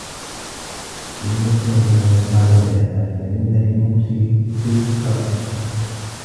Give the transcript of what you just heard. بِالْمُكْنَةِ مِنْ الْيَسَارِ وَالْإِعْسَارِ فَإِنَّ لِلْمُوسِرِ فِي الزِّيِّ قَدْرًا